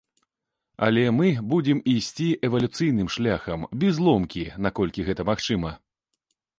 Але мы будзем ісці эвалюцыйным шляхам, без ломкі, наколькі гэта магчыма.